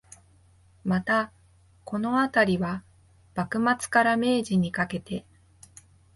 また、このあたりは、幕末から明治にかけて